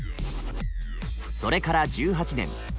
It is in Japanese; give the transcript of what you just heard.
それから１８年。